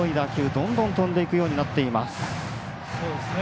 どんどん飛んでいくようになっています。